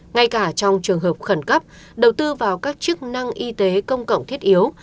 ngay cả trong trường hợp khẩn cấp đầu tư vào các chức năng y tế công cộng thiết yếu